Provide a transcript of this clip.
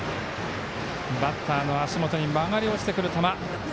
バッターの足元に曲がり落ちてくる球。